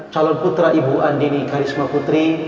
calon putra ibu andini karisma putri